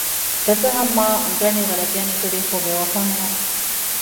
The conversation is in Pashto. که څه هم ما ګڼې غلطیانې کړې، خو بې وفا نه یم.